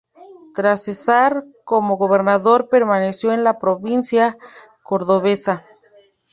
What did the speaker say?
Tras cesar como gobernador permaneció en la provincia cordobesa.